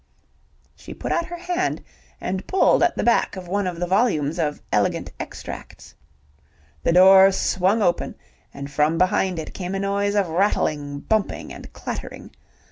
She put out her hand and pulled at the back of one of the volumes of "Elegant Extracts". The door swung open, and from behind it came a noise of rattling, bumping and clattering.